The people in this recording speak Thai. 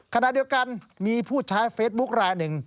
ขณะเดียวกันมีผู้ใช้เฟซบุ๊คลายหนึ่ง